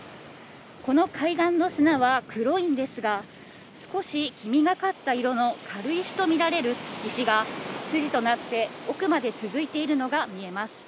この海岸の砂は、黒いんですが、少し黄みがかった色の軽石と見られる石が、筋となって奥まで続いているのが見えます。